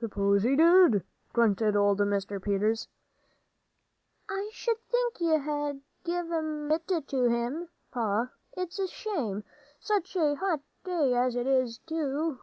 "S'pose he did?" grunted old Mr. Peters. "I sh'd think you'd 'a' give it to him, Pa. It's a shame. Such a hot day as 'tis, too."